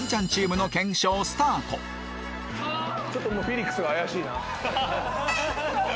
続いて「ちょっともうフィリックスが怪しいな」